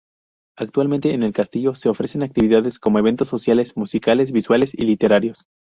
Actualmente en el castillo se ofrecen actividades como eventos sociales, musicales, visuales y literarios.